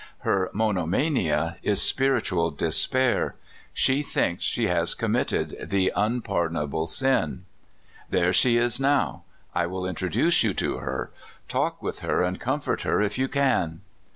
Her monomania is spiritual despair. She thinks she has committed the unpardonable sin. THE CALIFORNIA MADHOUSE. I55 There she is now. I will introduce you to her. Talk with her, and comfort her if you can."